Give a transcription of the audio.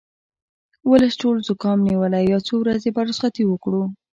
ولس ټول زوکام نیولی یو څو ورځې به رخصتي وکړو